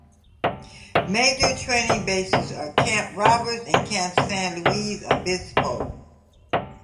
Major training bases are Camp Roberts and Camp San Luis Obispo.